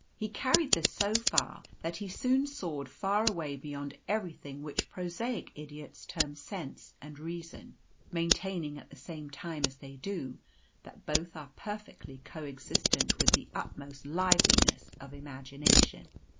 He carried this so far that he soon soared far away beyond everything which prosaic idiots term Sense and Reason (maintaining at the same time, as they do, that both are perfectly co existent with the utmost liveliness of imagination).